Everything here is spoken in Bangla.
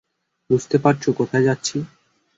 বুঝতে পারছ কোথায় যাচ্ছি?